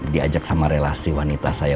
diajak sama relasi wanita saya